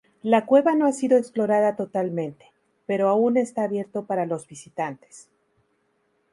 La cueva no ha sido explorada totalmente, pero aún está abierto para los visitantes.